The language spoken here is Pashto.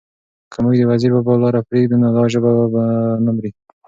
که موږ د وزیر بابا لاره پرېږدو؛ نو دا ژبه به نه مري،